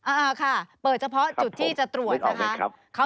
อ่าค่ะเปิดเฉพาะจุดที่จะตรวจนะคะ